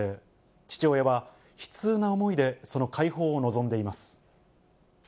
父親は悲痛な思いでその解放を望んでいます。